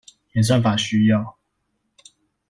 演算法需要